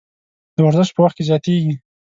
د ورزش په وخت کې زیاتیږي.